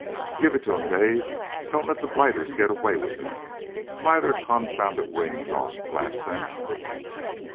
"Give it to them, Dave! Don't let the blighters get away with it! Fly their confounded wings off, blast them!"